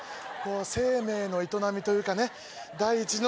生命の営みというか大地の。